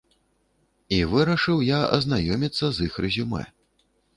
І вырашыў я азнаёміцца з іх рэзюмэ.